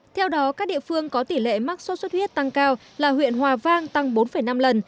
theo đó các địa phương có tỷ lệ mắc sốt xuất huyết tăng cao là huyện hòa vang tăng bốn năm lần